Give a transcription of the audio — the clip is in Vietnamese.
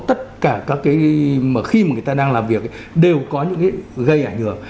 tất cả các cái mà khi mà người ta đang làm việc đều có những cái gây ảnh hưởng